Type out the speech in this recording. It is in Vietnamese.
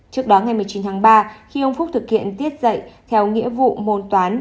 trước đó ngày một mươi chín tháng ba khi ông phúc thực hiện tiết dạy theo nghĩa vụ môn toán